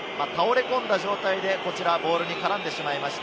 倒れ込んだ状態でボールに絡んでしまいました。